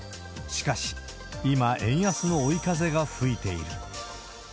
しかし、今、円安の追い風が吹いている。